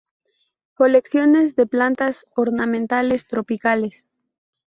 Colecciones de plantas ornamentales tropicales.